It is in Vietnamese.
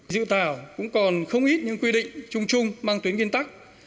dự thảo cũng còn không ít những quy định chung chung mang tuyến nguyên tắc